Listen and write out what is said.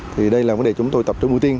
thì đây là vấn đề chúng tôi tập trung ưu tiên